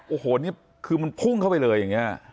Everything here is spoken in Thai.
โอ้โหนี่คือมันพุ่งเข้าไปเลยอย่างนี้